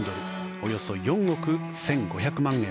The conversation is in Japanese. およそ４億１５００万円。